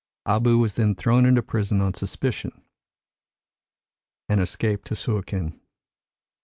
Abou was then thrown into prison on suspicion, and escaped to Suakin.